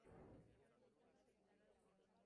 Su capital es la ciudad de Kielce.